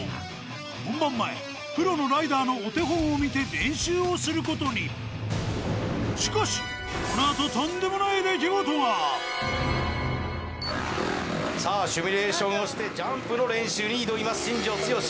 本番前プロのライダーのお手本を見て練習をすることにこのあとさあシミュレーションをしてジャンプの練習に挑みます新庄剛志